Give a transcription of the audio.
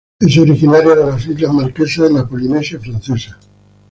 Es originaria de las islas Marquesas en la Polinesia Francesa.